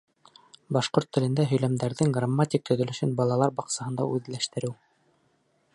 Башҡорт телендә һөйләмдәрҙең грамматик төҙөлөшөн балалар баҡсаһында үҙләштереү.